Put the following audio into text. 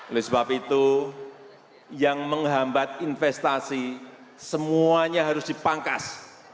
oleh sebab itu yang menghambat investasi semuanya harus dipangkas